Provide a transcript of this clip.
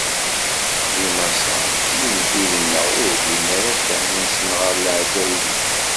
Di Maṣer, lejdud-nneɣ ur rrin ara ddehn-nsen ɣer leɛǧayeb-ik.